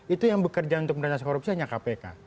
itu yang bekerja untuk pemerintahan korupsi hanya kpk